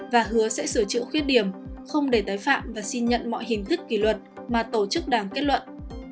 và hứa sẽ sửa chữa khuyết điểm không để tái phạm và xin nhận mọi hình thức kỷ luật mà tổ chức đảng kết luận